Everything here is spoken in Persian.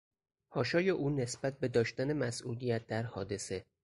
حاشای او نسبت به داشتن مسئولیت در حادثه